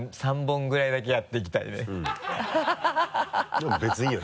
でも別にいいよ